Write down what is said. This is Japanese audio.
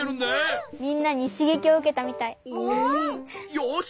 よし。